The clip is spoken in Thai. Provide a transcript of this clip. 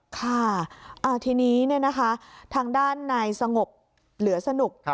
ค่ะทีนี้ทางด้านนายสงบเหลือสนุก